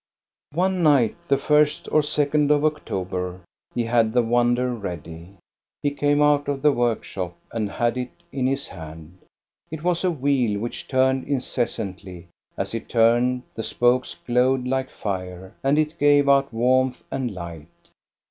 One night, the first or second of October, he had the wonder ready. He came out of the workshop and had it in his hand. It was a wheel which turned incessantly; as it turned, the spokes glowed like fire, and it gave out warmth and light.